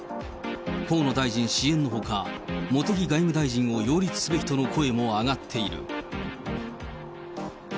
河野大臣支援のほか、茂木外務大臣を擁立すべきとの声も上がっている。